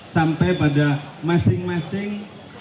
sampai pada masing masing